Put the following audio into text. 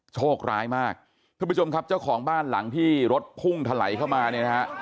โชคร้ายมากท่านผู้ชมครับเจ้าของบ้านหลังที่รถพุ่งถลายเข้ามาเนี่ยนะฮะ